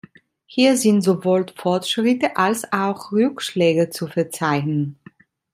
Hier sind sowohl Fortschritte als auch Rückschläge zu verzeichnen.